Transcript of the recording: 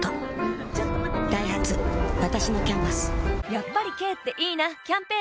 やっぱり軽っていいなキャンペーン